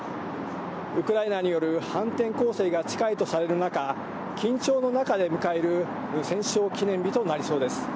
ウクライナによる反転攻勢が近いとされる中、緊張の中で迎える戦勝記念日となりそうです。